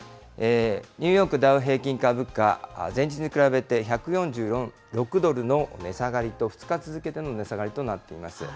ニューヨークダウ平均株価、前日に比べて１４６ドルの値下がりと、２日続けての値下がりとなっています。